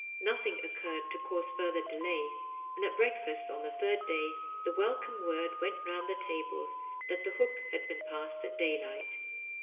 Nothing occurred to cause further delay, and at breakfast on the third day the welcome word went round the tables that the Hook had been passed at daylight.